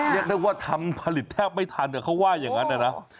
เรียกได้ว่าทำผลิตแทบไม่ทันเขาว่าอย่างนั้นนะ